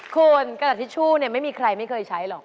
คุณกระดาษทิชชู่เนี่ยไม่มีใครไม่เคยใช้หรอก